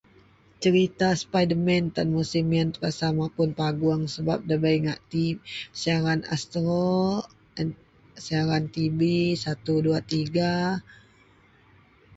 cerita spiderman tan musim ien terpaksa mapun panggung sebab dabei ngak tv,siaran astro, siaran tv 123